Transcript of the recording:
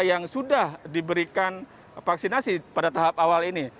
yang sudah diberikan vaksinasi pada tahap awal ini